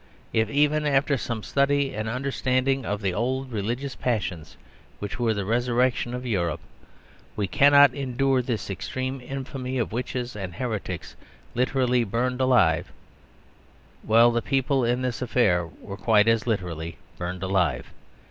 If, even after some study and understanding of the old religious passions which were the resurrection of Europe, we cannot endure the extreme infamy of witches and heretics literally burned alive well, the people in this affair were quite as literally burned alive.